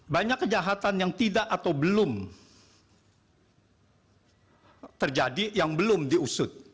banyak kejahatan yang tidak atau belum terjadi yang belum diusut